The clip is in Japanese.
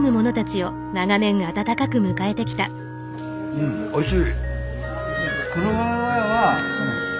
うんおいしい！